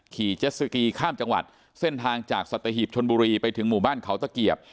เจ็ดสกีข้ามจังหวัดเส้นทางจากสัตหีบชนบุรีไปถึงหมู่บ้านเขาตะเกียบ